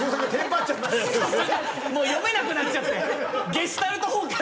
読めなくなっちゃって。